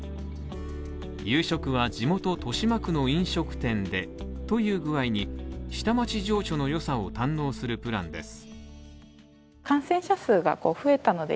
夕食は地元・豊島区の飲食店でという具合に下町情緒の良さを堪能するプランです。